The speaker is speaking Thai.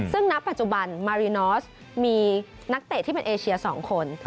ซึ่งณปัจจุบันมารีนอสมีนักเตะที่เป็นเอเชีย๒คน